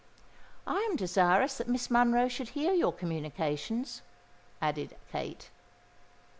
"I am desirous that Miss Monroe should hear your communications," added Kate.